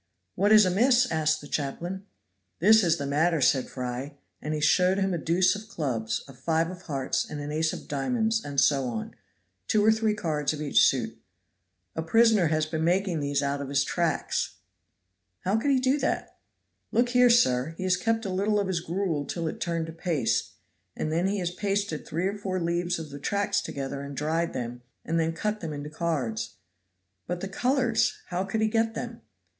"What is amiss?" asked the chaplain. "This is the matter," said Fry, and he showed him a deuce of clubs, a five of hearts and an ace of diamonds, and so on; two or three cards of each suit. "A prisoner has been making these out of his tracts!" "How could he do that?" "Look here, sir. He has kept a little of his gruel till it turned to paste, and then he has pasted three or four leaves of the tracts together and dried them, and then cut them into cards." "But the colors how could he get them?"